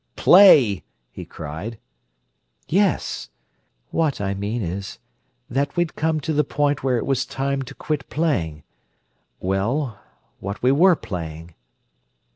"Play!" he cried. "Yes. What I mean is that we'd come to the point where it was time to quit playing—well, what we were playing."